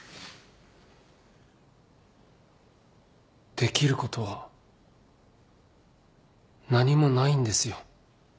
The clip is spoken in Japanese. できることは何もないんですよ。